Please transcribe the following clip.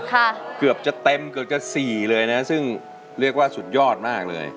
เกือบจะเต็มเกือบจะสี่เลยนะซึ่งเรียกว่าสุดยอดมากเลย